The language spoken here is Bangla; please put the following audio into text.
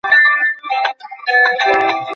একটা জায়গাই এমন হতে পারে।